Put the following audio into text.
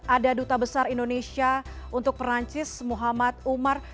ada duta besar indonesia untuk perancis muhammad umar